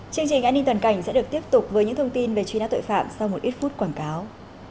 chương trình an ninh toàn cảnh sẽ được tiếp tục với những thông tin về truy nã tội phạm sau một ít phút quảng cáo